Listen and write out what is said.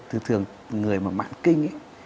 thường người mà mạng kinh